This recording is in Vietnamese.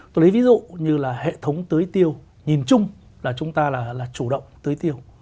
tôi lấy ví dụ như là hệ thống tưới tiêu nhìn chung là chúng ta là chủ động tưới tiêu